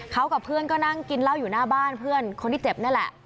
เขากับเพื่อนก็นั่งกินเหล้าอยู่หน้าบ้านเพื่อนคนที่เจ็บนั่นแหละ